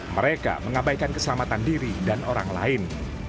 mereka mengabaikan keselamatan diri dan orang lain